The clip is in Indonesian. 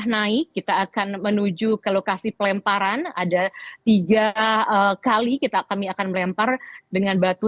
naik kita akan menuju ke lokasi pelemparan ada tiga kali kami akan melempar dengan batu